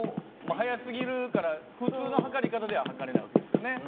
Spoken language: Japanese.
速すぎるから普通の測り方では測れない訳ですよね。